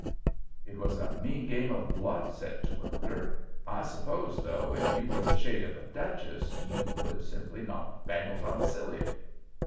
"It was a mean game of bluff," said Terwilliger. "I suppose, though, if you were the shade of a duchess, you could simply knock Bangletop silly?"